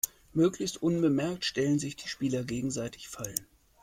Möglichst unbemerkt stellen sich die Spieler gegenseitig Fallen.